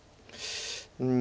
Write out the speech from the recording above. うん。